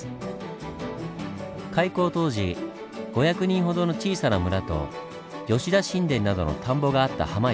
開港当時５００人ほどの小さな村と吉田新田などの田んぼがあった「ハマ」